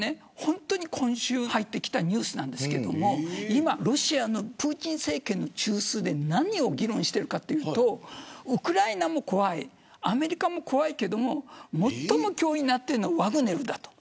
今週、入ってきたニュースですが今ロシアのプーチン政権の中枢で何を議論しているかというとウクライナも怖いアメリカも怖いけど最も脅威なのはワグネルだと。